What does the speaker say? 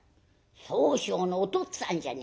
宗匠のおとっつぁんじゃねえか。